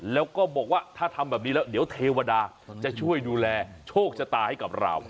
แล้วก็บอกว่าถ้าทำแบบนี้แล้วเดี๋ยวเทวดาจะช่วยดูแลโชคชะตาให้กับเรา